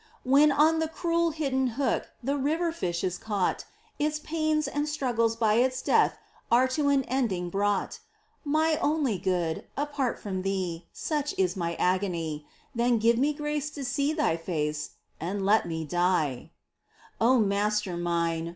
When on the cruel, hidden hook The river fish is caught, Its pains and struggles by its death Are to an ending brought. My only Good ! apart from Thee, Such is mine agony — Then give me grace to see Thy face. And let me die ! O Master mine